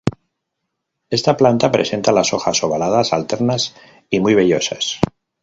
Esta planta presenta las hojas ovaladas, alternas y muy vellosas.